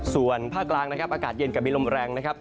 ส่วนภาคกลางนะครับอากาศเย็นกับมีลมแรงนะครับ